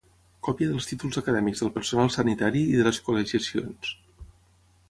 Còpia dels títols acadèmics del personal sanitari i de les col·legiacions.